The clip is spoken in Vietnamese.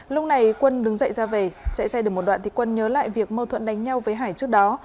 lúc này quân đứng dậy ra về chạy xe được một đoạn thì quân nhớ lại việc mâu thuẫn đánh nhau với hải trước đó